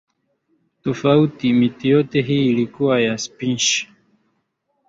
tofauti miti yote hii ilikuwa ya spishi